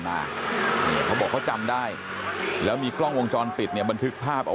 มาเขาบอกเขาจำได้แล้วมีกล้องวงจรปิดเนี่ยบันทึกภาพเอา